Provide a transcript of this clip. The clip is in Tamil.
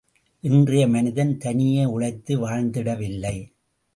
இன்றைய மனிதன் தனியே உழைத்து வாழ்ந்திடவில்லை!